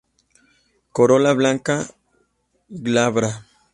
Corola blanca, glabra.